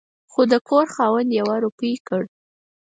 خو د کور خاوند يوه روپۍ کړ